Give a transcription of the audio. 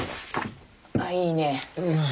ああいいね。